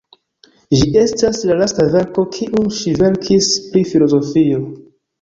Ĝi estas la lasta verko kiun ŝi verkis pri filozofio.